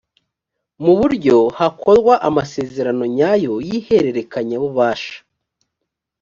muburyo hakorwa amasezerano nyayo y’ihererekanya bubasha